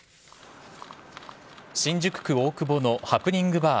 新宿区大久保のハプニングバー、